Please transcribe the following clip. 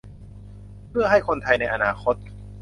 เพื่อให้คนไทยในอนาคต